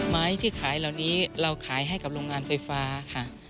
ไม้ที่ขายเหล่านี้เราขายให้กับโรงงานไฟฟ้าค่ะ